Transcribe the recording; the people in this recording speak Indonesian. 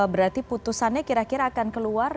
berarti putusannya kira kira akan keluar